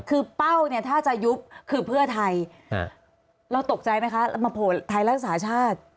คือเป้าเนี่ยถ้าจะยุบคือเพื่อไทยเราตกใจไหมคะมาโผล่ไทยรักษาชาติ